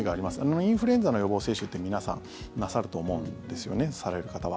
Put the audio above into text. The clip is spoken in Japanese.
インフルエンザの予防接種って皆さん、なさると思うんですよねされる方は。